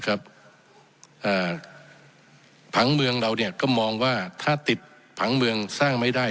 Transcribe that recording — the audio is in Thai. ผังเมืองเราก็มองว่าถ้าติดผังเมืองสร้างไม่ได้